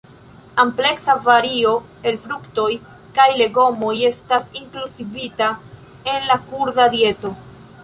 Ampleksa vario el fruktoj kaj legomoj estas inkluzivita en la kurda dieto.